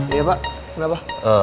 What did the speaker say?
iya pak kenapa